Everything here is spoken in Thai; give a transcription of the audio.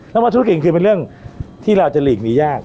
แล้วว่าธุรกิจคือเป็นเรื่องที่เราจะหลีกนี้ยาก